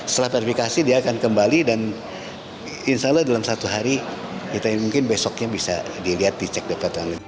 setelah verifikasi dia akan kembali dan insya allah dalam satu hari mungkin besoknya bisa dilihat di cekdptonline